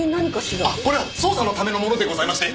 あっこれは捜査のためのものでございまして。